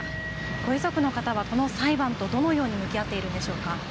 ご遺族の方は、この裁判とどのように向き合っているのでしょうか。